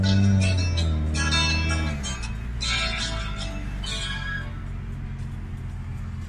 The law was rejected.